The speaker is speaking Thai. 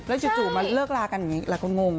จู่มาเลิกลากันอย่างนี้หลายคนงง